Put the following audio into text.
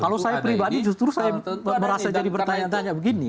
kalau saya pribadi justru saya merasa jadi bertanya tanya begini